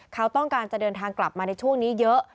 เขาต้องการจะเดินทางกลับมาในช่วงนี้เยอะ